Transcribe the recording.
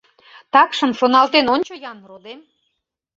— Такшым шоналтен ончо-ян, родем!